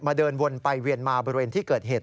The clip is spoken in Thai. เดินวนไปเวียนมาบริเวณที่เกิดเหตุ